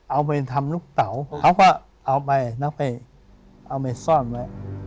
เอาไปทำลูกเต๋าเขาก็เอาไปซ่อนไว้